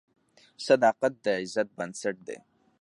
صداقت د عزت بنسټ دی.